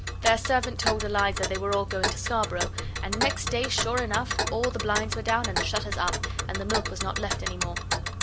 Their servant told Eliza they were all going to Scarborough, and next day sure enough all the blinds were down and the shutters up, and the milk was not left any more.